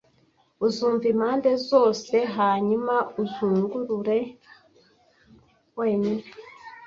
Uzumva impande zose hanyuma uzungurure wenyine .